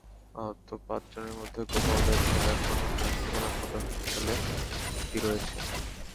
আহত পাঁচজনের মধ্যে গোপাল দেবনাথ এখনো নেত্রকোনা সদর হাসপাতালে ভর্তি রয়েছেন।